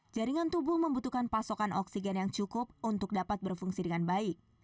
jaringan tubuh membutuhkan pasokan oksigen yang cukup untuk dapat berfungsi dengan baik